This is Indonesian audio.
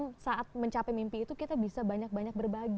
tapi bagaimana dalam saat mencapai mimpi itu kita bisa banyak banyak berbagi